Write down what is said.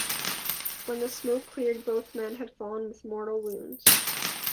When the smoke cleared both men had fallen with mortal wounds.